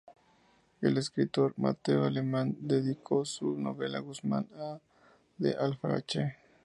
El escritor Mateo Alemán le dedico su novela Guzmán de Alfarache.